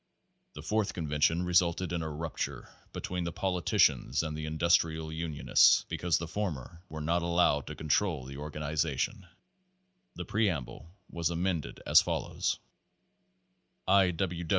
The Fourth convention resulted in a rupture be tween the politicians and industrial unionists because the former were not allowed to control the organization. The Preamble was amended as follows : I.